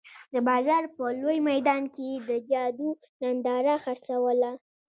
د بازار په لوی میدان کې یې د جادو ننداره خرڅوله.